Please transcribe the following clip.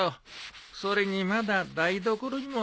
それにまだ台所にも残って。